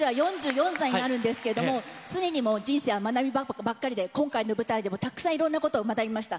今度実は４４歳になるんですけれども、常にもう人生は学びばっかりで、今回の舞台でもたくさんいろんなことを学びました。